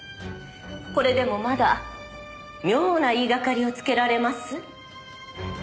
これでもまだ妙な言いがかりをつけられます？